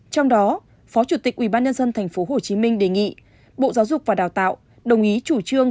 trong đó phó chủ tịch ubnd tp hcm đề nghị bộ giáo dục và đào tạo đồng ý chủ trương